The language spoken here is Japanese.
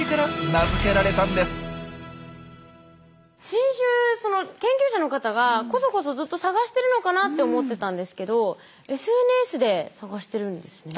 新種研究者の方がこそこそずっと探してるのかなと思ってたんですけどＳＮＳで探してるんですね。